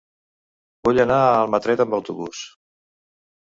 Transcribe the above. Vull anar a Almatret amb autobús.